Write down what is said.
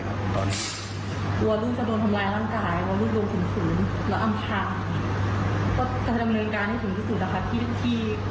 ผมอยากที่ลูกหนูต้องตายที